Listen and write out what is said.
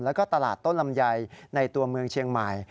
แล้วก็ตลาดต้นลำไยในตัวเมืองเชียงใหม่